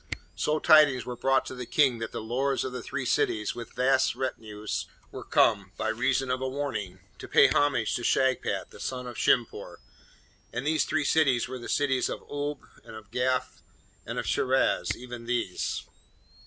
So tidings were brought to the King that the Lords of three cities, with vast retinues, were come, by reason of a warning, to pay homage to Shagpat, the son of Shimpoor; and these three cities were the cities of Oolb, and of Gaf, and of Shiraz, even these!